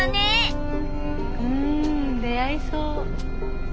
うん出会えそう。